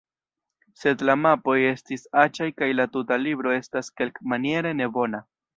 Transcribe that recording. Sed la mapoj estis aĉaj kaj la tuta libro estas kelkmaniere nebona.